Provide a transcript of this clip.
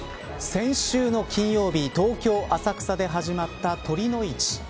先週の金曜日東京、浅草で始まった酉の市。